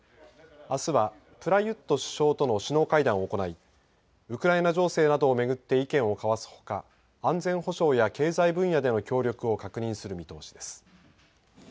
あすはプラユット首相との首脳会談を行いウクライナ情勢などをめぐって意見を交わすほか安全保障や経済分野での協力を確認する見通しです。